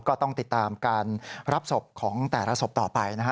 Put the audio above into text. ก็ต้องติดตามการรับศพของแต่ละศพต่อไปนะฮะ